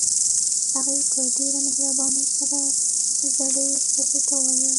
هغې په ډېره مهربانۍ سره زړې ښځې ته وويل.